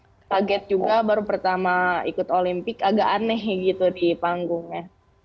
target juga baru pertama ikut olimpiade agak aneh gitu di panggungnya